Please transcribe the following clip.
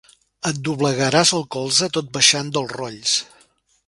Et doblegaràs el colze tot baixant del Rolls.